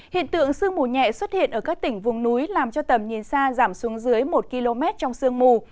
hiện tượng sương mù nhẹ xuất hiện ở các tỉnh vùng núi làm cho tầm nhìn xa giảm xuống dưới một km trong sương mù